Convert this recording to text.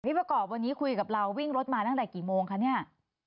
ประกอบวันนี้คุยกับเราวิ่งรถมาตั้งแต่กี่โมงคะเนี่ย